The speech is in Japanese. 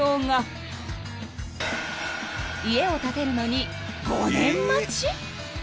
［家を建てるのに５年待ち？］